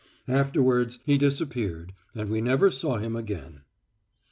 Afterwards he disappeared and we never saw him again.